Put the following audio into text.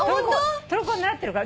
トルコ語習ってるから。